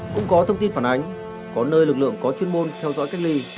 cũng có thông tin phản ánh có nơi lực lượng có chuyên môn theo dõi cách ly